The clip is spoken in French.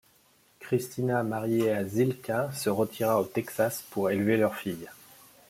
Cristina marié a Zilkha se retira au Texas pour élever leur fille.